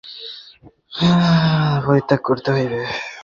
যিনি বেদান্তী হইতে ইচ্ছুক, তাঁহাকে এই অভ্যাস অতি অবশ্যই পরিত্যাগ করিতে হইবে।